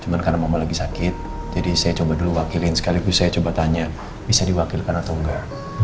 cuma karena mama lagi sakit jadi saya coba dulu wakilin sekaligus saya coba tanya bisa diwakilkan atau enggak